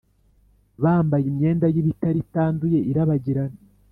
bambaye imyenda y’ibitare itanduye irabagirana,